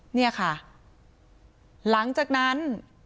เนี่ยค่ะหลังจากนั้น